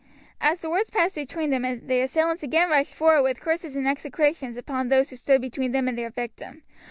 As the words passed between them the assailants again rushed forward with curses and execrations upon those who stood between them and their victim.